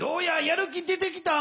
やる気出てきた？